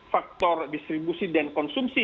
faktor distribusi dan konsumsi